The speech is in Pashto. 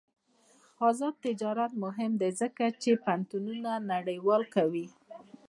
آزاد تجارت مهم دی ځکه چې پوهنتونونه نړیوال کوي.